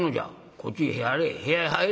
こっちへ入れ。